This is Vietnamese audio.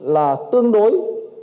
là tương đối